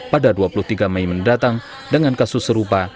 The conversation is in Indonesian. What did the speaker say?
pada dua puluh tiga mei mendatang dengan kasus serupa